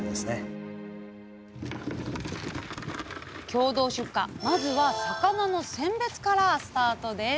共同出荷まずは魚の選別からスタートです。